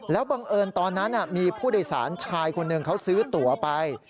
แล้วบังเอิญตอนนั้นมีผู้โดยสารชายคนหนึ่งเขาซื้อตัวไป